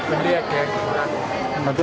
ya banyak yang beli aja